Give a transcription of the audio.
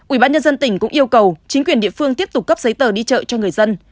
ubnd tỉnh cũng yêu cầu chính quyền địa phương tiếp tục cấp giấy tờ đi chợ cho người dân